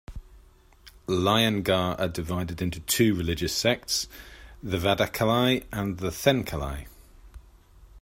Iyengar are divided into two religious sects, the Vadakalai and the Thenkalai.